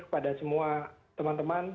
kepada semua teman teman